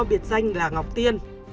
biệt danh là ngọc tiên